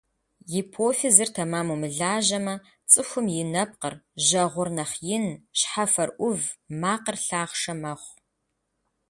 Гипофизыр тэмэму мылажьэмэ, цӀыхум и нэпкъыр, жьэгъур нэхъ ин, щхьэфэр Ӏув, макъыр лъахъшэ мэхъу.